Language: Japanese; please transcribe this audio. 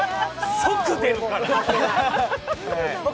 即出るから。